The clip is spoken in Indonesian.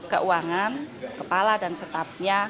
keuangan kepala dan setapnya